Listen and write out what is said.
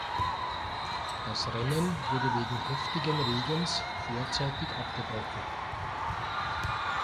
Das Rennen wurde wegen heftigen Regens vorzeitig abgebrochen.